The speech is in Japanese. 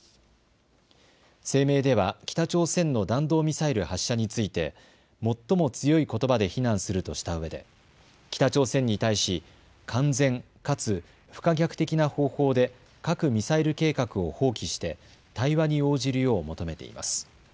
声明では北朝鮮の弾道ミサイル発射について最も強いことばで非難するとしたうえで北朝鮮に対し完全かつ不可逆的な方法で核・ミサイル計画を放棄して対話に応じるよう求めています。